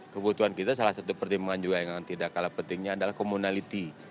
kebutuhan kita salah satu pertimbangan juga yang tidak kalah pentingnya adalah komunality